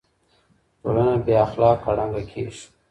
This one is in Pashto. ټولنه بې اخلاقو ړنګه کيږي.